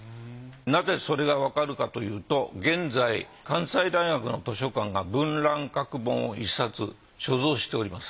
なぜそれがわかるかというと現在関西大学の図書館が文瀾閣本を１冊所蔵しております。